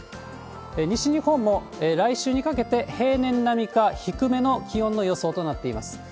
西日本も来週にかけて、平年並みか低めの気温の予想となっています。